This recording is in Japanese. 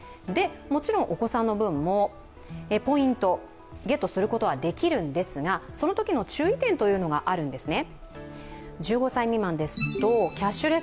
もちろんお子さんの分もポイントをゲットすることができるんですが、そのときの注意点があるんですね。